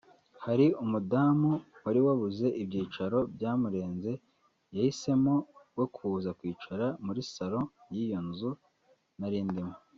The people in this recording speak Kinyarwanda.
Hari umudamu wari wabuze ibyicaro byamurenze yahisemo we kuza kwicara muri salon y’iyo nzu nari ndimo